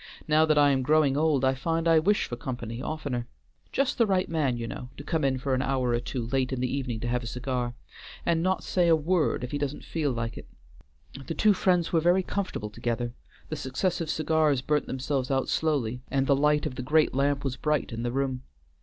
"Now that I am growing old I find I wish for company oftener; just the right man, you know, to come in for an hour or two late in the evening to have a cigar, and not say a word if he doesn't feel like it." The two friends were very comfortable together; the successive cigars burnt themselves out slowly, and the light of the great lamp was bright in the room.